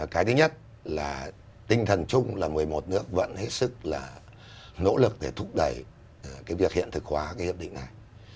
cái thứ nhất là tinh thần chung là một mươi một nước vẫn hết sức là nỗ lực để thúc đẩy cái việc hiện thực hóa cái hiệp định này